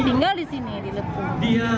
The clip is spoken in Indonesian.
tinggal di sini di lepung